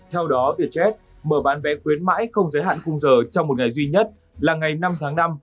theo đó vietjet mở bán vé khuyến mãi không giới hạn khung giờ trong một ngày duy nhất là ngày năm tháng năm